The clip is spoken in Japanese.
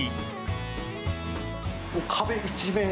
壁一面。